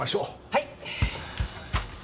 はい。